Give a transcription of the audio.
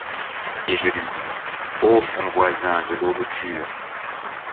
Et je lui dis :— Ô front voisin de l’aube pure